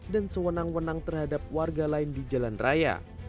dan sewenang wenang terhadap warga lain di jalan raya